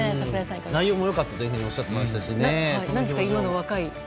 内容も良かったとおっしゃっていましたしね。